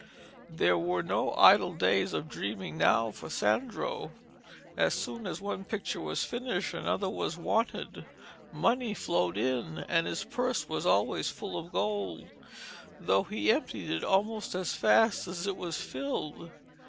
There were no idle days of dreaming now for Sandro. As soon as one picture was finished another was wanted. Money flowed in, and his purse was always full of gold, though he emptied it almost as fast as it was filled.